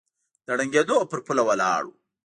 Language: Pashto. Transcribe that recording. د ړنګېدو پر پوله ولاړ و